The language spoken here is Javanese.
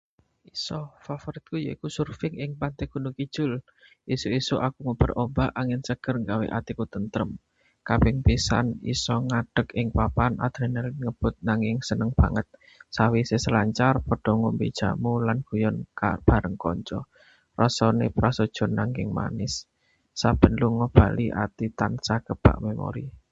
Isa. Favoritku yaiku surfing ing pantai Gunung Kidul. Esuk-esuk aku nguber ombak, angin seger nggawe atiku tentrem. Kaping pisan iso ngadeg ing papan, adrenalin ngebut nanging seneng banget. Sawise selancar, padha ngombe jamu lan guyon bareng kanca—raosé prasaja nanging manis. Saben lunga bali, ati tansah kebak memori.